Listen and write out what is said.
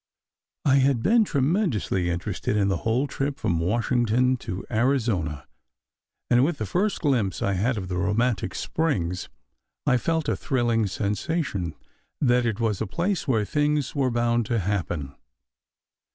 I had been tremendously interested in the whole trip from Washington to Arizona, and with the first glimpse I had of the romantic Springs I felt a thrilling sensation that it was a place where things were bound to happen.